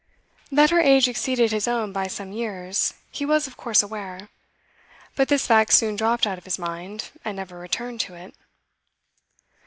That her age exceeded his own by some years he was of course aware, but this fact soon dropped out of his mind, and never returned to it.